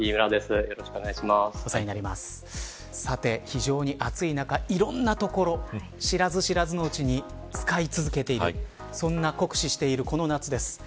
非常に暑い中いろんなところ知らず知らずのうちに使い続けている、そんな酷使しているこの夏です。